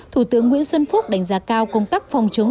thủ tướng nguyễn xuân phúc đánh giá cao công tác phòng chống